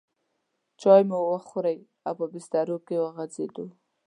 چای مو وخوړې او په بسترو کې وغځېدو.